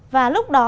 và lúc đó